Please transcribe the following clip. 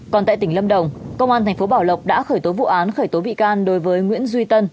còn tại tỉnh lâm đồng công an thành phố bảo lộc đã khởi tố vụ án khởi tố bị can đối với nguyễn duy tân